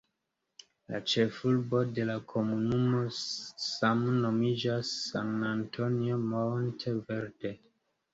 La ĉefurbo de la komunumo same nomiĝas "San Antonio Monte Verde".